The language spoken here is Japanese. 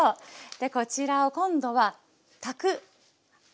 こちらを今度は炊く。